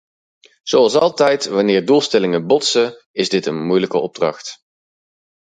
Zoals altijd wanneer doelstellingen botsen, is dit een moeilijke opdracht.